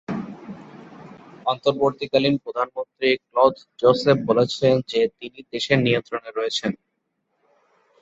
অন্তর্বর্তীকালীন প্রধানমন্ত্রী Claude Joseph বলেছেন যে তিনি দেশের নিয়ন্ত্রণে রয়েছেন।